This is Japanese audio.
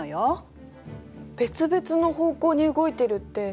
別々の方向に動いてるって。